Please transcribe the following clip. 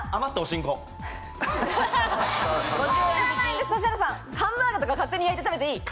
ピンポンハンバーグとか勝手に焼いて食べていい。